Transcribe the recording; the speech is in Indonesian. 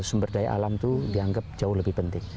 sumber daya alam itu dianggap jauh lebih penting